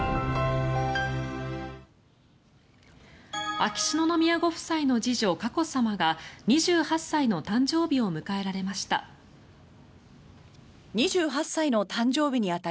秋篠宮ご夫妻の次女佳子さまが２８歳の誕生日を迎えられました。